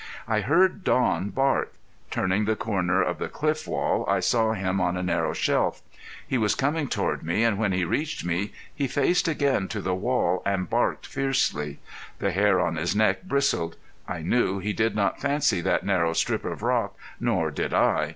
I heard Don bark. Turning the corner of the cliff wall I saw him on a narrow shelf. He was coming toward me and when he reached me he faced again to the wall and barked fiercely. The hair on his neck bristled. I knew he did not fancy that narrow strip of rock, nor did I.